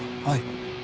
はい。